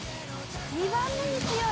２番目に強い。